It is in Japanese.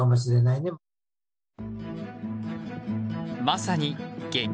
まさに激